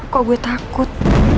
kok gue takut